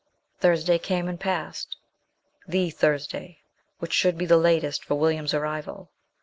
Thursday came and passed, the Thursday which should be the latest for Williams's arrival.